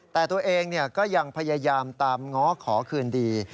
แต่ตัวเองก็ยังพยายามตามง้อขอคืนดี